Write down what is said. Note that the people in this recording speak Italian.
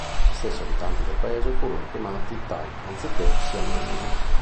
Gli stessi abitanti del paese furono chiamati thai anziché siamesi.